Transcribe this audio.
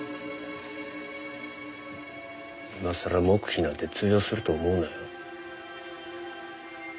今さら黙秘なんて通用すると思うなよ。